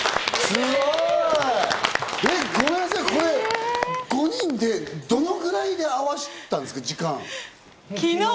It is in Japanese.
すごい！えっ、ごめんなさい、これ５人で、どのくらいで合わせたんですか？